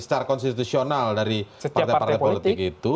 secara konstitusional dari partai partai politik itu